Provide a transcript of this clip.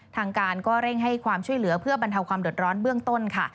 ทางการก็เร่งให้ความช่วยเหลือเพื่อบรรเทาความเดือดร้อนเบื้องต้นค่ะ